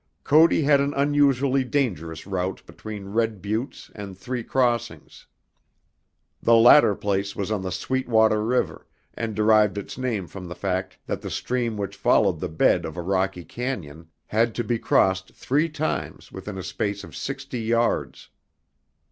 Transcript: Cody had an unusually dangerous route between Red Buttes and Three Crossings. The latter place was on the Sweetwater River, and derived its name from the fact that the stream which followed the bed of a rocky cañon, had to be crossed three times within a space of sixty yards.